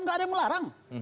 tidak ada yang melarang